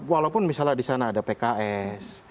walaupun misalnya di sana ada pks